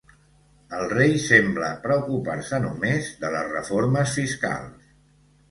El rei sembla preocupar-se només de les reformes fiscals.